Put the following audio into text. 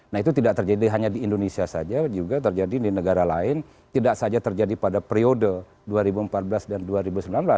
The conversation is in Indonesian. nah itu tidak terjadi hanya di indonesia saja juga terjadi di negara lain tidak saja terjadi pada periode dua ribu empat belas dan dua ribu sembilan belas tapi juga terjadi pada periode periode sebelumnya